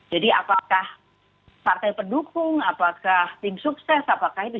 jadi apakah partai pendukung apakah tim sukses apakah itu